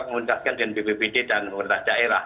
mengundaskan dengan bppt dan komunitas daerah